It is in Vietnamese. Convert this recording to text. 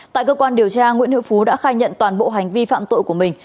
tại cơ quan điều tra nguyễn hữu phú đã khai nhận toàn bộ hành vi phạm tội của mình